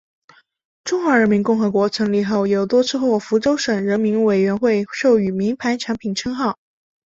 中华人民共和国成立后又多次获福州市人民委员会授予名牌产品称号。